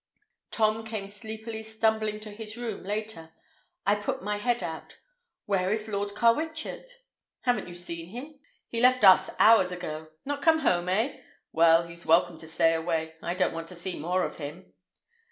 Tom came sleepily stumbling to his room later. I put my head out. "Where is Lord Carwitchet?" "Haven't you seen him? He left us hours ago. Not come home, eh? Well, he's welcome to stay away. I don't want to see more of him."